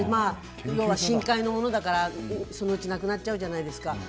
深海のものだから、そのうち亡くなっちゃうじゃないですか。